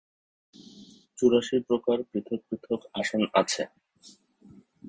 চুরাশি প্রকার পৃথক পৃথক আসন আছে।